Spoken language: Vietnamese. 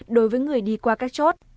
đối với người đi qua các chốt